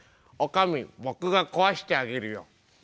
「女将僕が壊してあげるよ」。